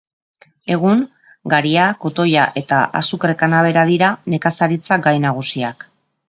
Egun, garia, kotoia eta azukre-kanabera dira nekazaritza gai nagusiak.